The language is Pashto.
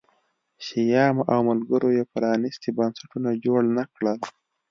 شیام او ملګرو یې پرانیستي بنسټونه جوړ نه کړل